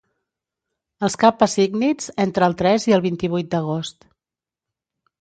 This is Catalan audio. els Kappa Cígnids entre el tres i el vint-i-vuit d'agost